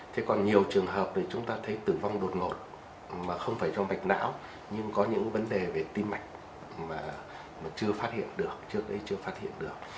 thế còn nhiều trường hợp thì chúng ta thấy tử vong đột ngột mà không phải cho mạch não nhưng có những vấn đề về tim mạch mà chưa phát hiện được trước đây chưa phát hiện được